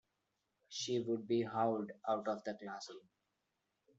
She would be howled out of the classroom.